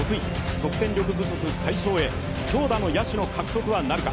得点力不足解消へ、強打の野手の獲得はなるか。